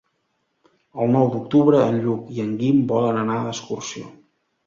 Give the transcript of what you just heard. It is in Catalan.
El nou d'octubre en Lluc i en Guim volen anar d'excursió.